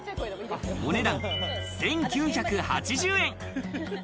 お値段１９８０円。